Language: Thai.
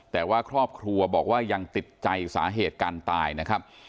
แต่ว่าครอบครัวบอกว่ายังติดใจสาเหตุการตายนะครับ